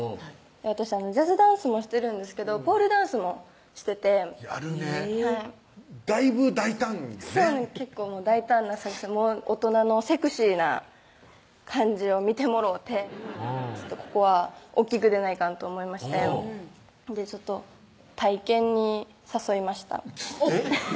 私ジャズダンスもしてるんですけどポールダンスもしててやるねだいぶ大胆よね結構大胆な作戦大人のセクシーな感じを見てもろうてここは大っきく出ないかんと思いましてちょっと体験に誘いましたえっ？